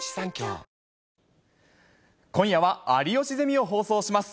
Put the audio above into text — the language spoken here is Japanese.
今夜は有吉ゼミを放送します。